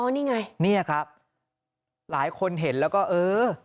นี่ไงเนี่ยครับหลายคนเห็นแล้วก็เออ